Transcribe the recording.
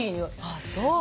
あっそう。